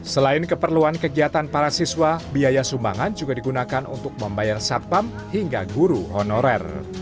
selain keperluan kegiatan para siswa biaya sumbangan juga digunakan untuk membayar satpam hingga guru honorer